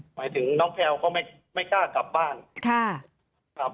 หมายถึงน้องแพลวก็ไม่กล้ากลับบ้านครับ